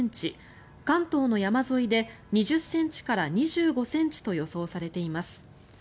関東の山沿いで２０ｃｍから２５ｃｍと予想されています。